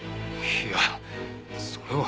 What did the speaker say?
いやそれは。